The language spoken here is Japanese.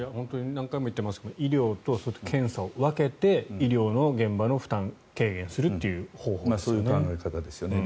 何回も言ってますが医療と検査を分けて医療の現場の負担を軽減するという方法ですね。